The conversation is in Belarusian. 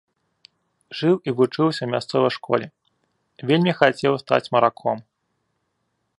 Жыў і вучыўся ў мясцовай школе, вельмі хацеў стаць мараком.